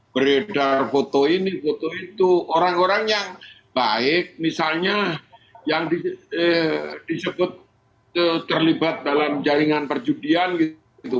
beredar foto ini foto itu orang orang yang baik misalnya yang disebut terlibat dalam jaringan perjudian gitu